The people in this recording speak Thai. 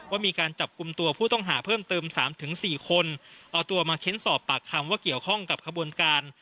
ว่ามีการจับกลุ่มตัวผู้ต้องหาเพิ่มเติมสามถึงสี่คนเอาตัวมาเค้นสอบปากคำว่าเกี่ยวข้องกับขบวนการ